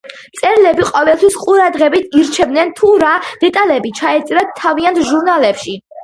მწერლები ყოველთვის ყურადღებით ირჩევდნენ თუ რა დეტალები ჩაეწერათ თავიანთ ჟურნალებში.